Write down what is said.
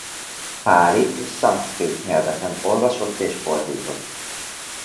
Páli és szanszkrit nyelveken olvasott és fordított.